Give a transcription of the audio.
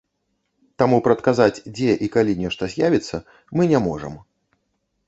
Таму прадказаць, дзе і калі нешта з'явіцца, мы не можам.